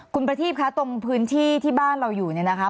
คุณประทีบคะตรงพื้นที่ที่บ้านเราอยู่เนี่ยนะคะ